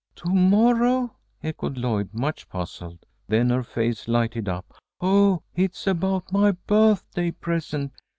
"To morrow," echoed Lloyd, much puzzled. Then her face lighted up. "Oh, it's about my birthday present.